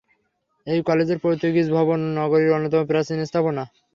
এই কলেজের পর্তুগিজ ভবন নগরীর অন্যতম প্রাচীন স্থাপনা।